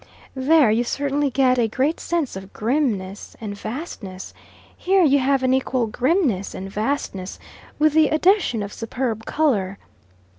There you certainly get a great sense of grimness and vastness; here you have an equal grimness and vastness with the addition of superb colour.